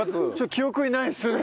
記憶にないですね